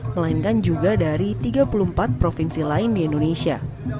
melainkan juga dari tiga puluh empat provinsi lain di indonesia